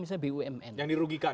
misalnya bumn yang dirugikan